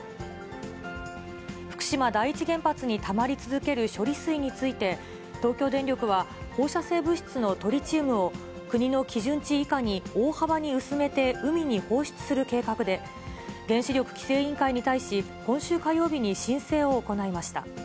福島第一原発にたまり続ける処理水について、東京電力は放射性物質のトリチウムを、国の基準値以下に大幅に薄めて海に放出する計画で、原子力規制委員会に対し、今週火曜日に申請を行いました。